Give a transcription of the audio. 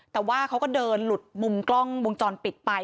แต่ว่าเขาก็เดินหลุดมุมกล้องวงจรปิดไป